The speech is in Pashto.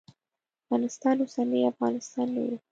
افغانستان اوسنی افغانستان نه و.